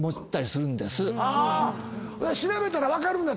調べたら分かるんだ！